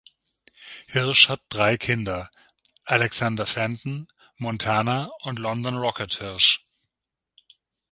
Hirsch hat drei Kinder: Alexander Fenton, Montana und London Rocket Hirsch.